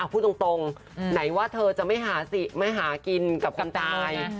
พูดตรงไหนว่าเธอจะไม่หากินกับคนตาย